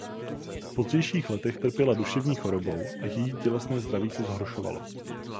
V pozdějších letech trpěla duševní chorobou a její tělesné zdraví se zhoršovalo.